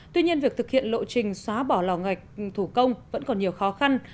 tuy nhiên việc thực hiện lộ trình xóa bỏ lò gạch thủ công vẫn còn nhiều khó khăn